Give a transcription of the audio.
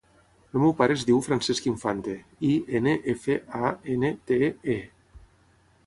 El meu pare es diu Francesc Infante: i, ena, efa, a, ena, te, e.